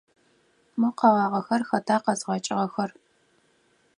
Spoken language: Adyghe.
Мо къэгъагъэхэр хэта къэзгъэкӏыгъэхэр?